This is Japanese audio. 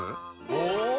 お！